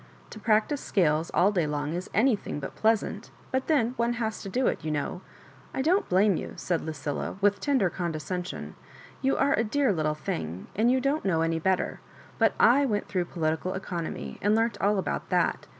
To practise scales all day long is any thing but pleasant, but then one has to do it, you know. I don't blame you," said Lucilla^ with tender condescension. "You are a dear little thing, and you don't know any better ; but /went through Political Economy, and learnt all about that.